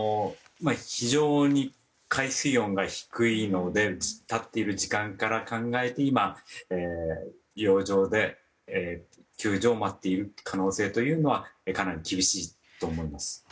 非常に海水温が低いので立っている時間から考えて今、洋上で救助を待っている可能性はかなり厳しいと思います。